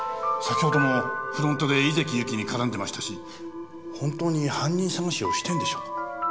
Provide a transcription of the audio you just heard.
先ほどもフロントで井関ゆきに絡んでましたし本当に犯人捜しをしてるんでしょう。